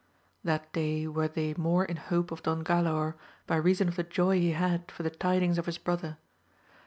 That day were they more in hope of Don Galaor, by reason of the joy he had for the tidings of his brother.